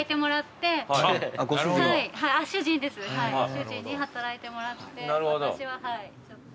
主人に働いてもらって私はちょっと。